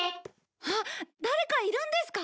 あっ誰かいるんですか？